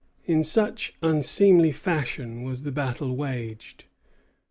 In such unseemly fashion was the battle waged.